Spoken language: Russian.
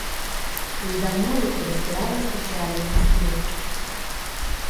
Передо мною простиралась печальная степь.